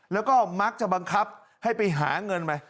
แล้วก็มักจะบังคับให้ไปหาเงินไป